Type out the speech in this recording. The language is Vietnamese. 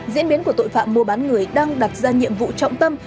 diễn biến của tội phạm mua bán người đang đặt ra nhiệm vụ trọng tâm